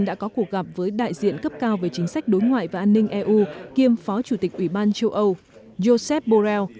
đã có cuộc gặp với đại diện cấp cao về chính sách đối ngoại và an ninh eu kiêm phó chủ tịch ủy ban châu âu joseph borrell